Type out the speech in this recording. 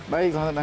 baik selamat datang